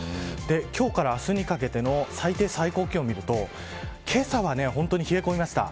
今日から明日にかけての最低最高気温を見るとけさは本当に冷え込みました。